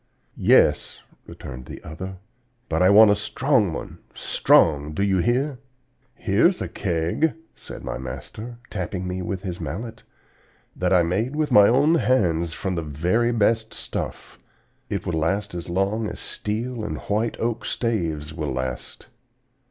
"'Yes!' returned the other; 'but I want a strong one strong, do you hear?' "'Here's a keg,' said my master, tapping me with his mallet, 'that I made with my own hands from the very best stuff. It will last as long as steel and white oak staves will last.'